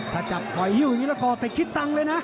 ถ้าจับเพาะฮิวอย่างนี้แหละก้อนแต่ติดตังเลยนะ